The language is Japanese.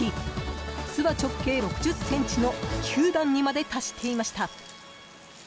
巣は直径６０ｃｍの９段にまで達していました。